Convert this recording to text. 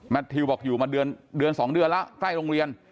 ทิวบอกอยู่มาเดือน๒เดือนแล้วใกล้โรงเรียน